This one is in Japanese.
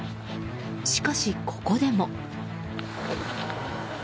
しかし、ここでも。